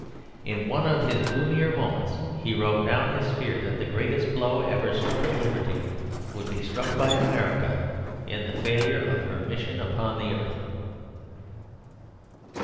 In one of his gloomier moments he wrote down his fear that the greatest blow ever struck at liberty would be struck by America in the failure of her mission upon the earth.